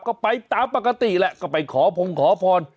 ก็ไปตามปกติแหละก็ไปขอพงขอพร